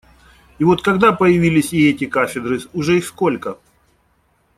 И вот, когда появились и эти кафедры, уже их сколько?